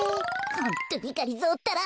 ホントにがりぞーったら。